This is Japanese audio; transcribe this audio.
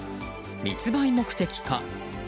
密売目的か。